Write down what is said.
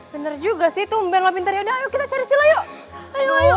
bener juga sih tumben lo pintar yaudah ayo kita cari sila yuk ayo ayo